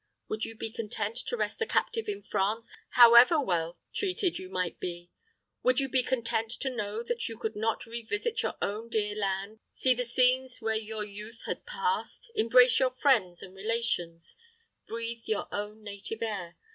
Would you be content to rest a captive in France, however well treated you might be? Would you be content to know that you could not revisit your own dear land, see the scenes where your youth had passed, embrace your friends and relations, breathe your own native air?